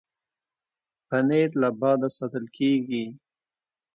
پنېر له باده ساتل کېږي.